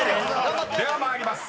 ［では参ります。